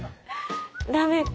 ダメか。